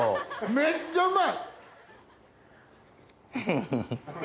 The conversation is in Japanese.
めっちゃうまい。